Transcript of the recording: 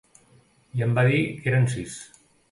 I em va dir que eren sis.